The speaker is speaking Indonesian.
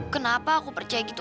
kenapa aku percaya gitu